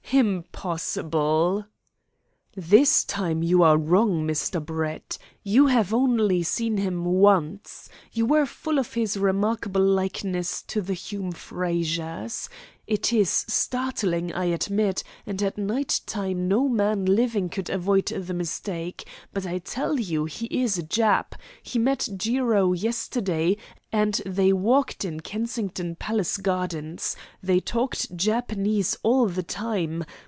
"Impossible!" "This time you are wrong, Mr. Brett. You have only seen him once. You were full of his remarkable likeness to the Hume Frazers. It is startling, I admit, and at night time no man living could avoid the mistake. But I tell you he is a Jap. He met Jiro yesterday, and they walked in Kensington Palace Gardens. They talked Japanese all the time.